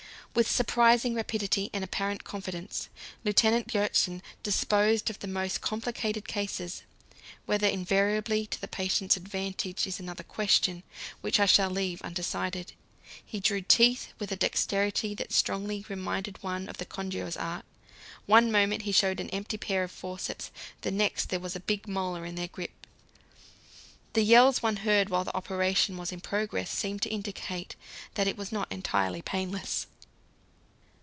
With surprising rapidity and apparent confidence Lieutenant Gjertsen disposed of the most complicated cases whether invariably to the patient's advantage is another question, which I shall leave undecided. He drew teeth with a dexterity that strongly reminded one of the conjurer's art; one moment he showed an empty pair of forceps, the next there was a big molar in their grip. The yells one heard while the operation was in progress seemed to indicate that it was not entirely painless.